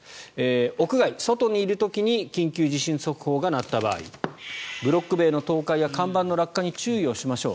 屋外、外にいる時に緊急地震速報が鳴った場合ブロック塀の倒壊や看板の落下に注意をしましょう。